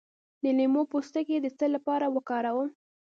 د لیمو پوستکی د څه لپاره وکاروم؟